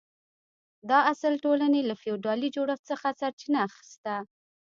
دا اصل د ټولنې له فیوډالي جوړښت څخه سرچینه اخیسته.